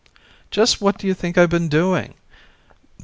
"Just what do you think I've been doing?